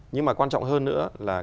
nhưng mà quan trọng hơn nữa là